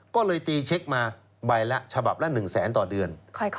ก็เลยตีเช็คมาใบละฉบับละ๑แสนต่อเดือน